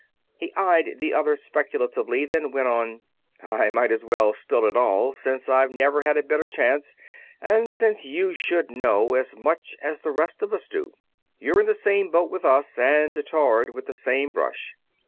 He eyed the other speculatively, then went on: "I might as well spill it all, since I'll never have a better chance and since you should know as much as the rest of us do. You're in the same boat with us and tarred with the same brush.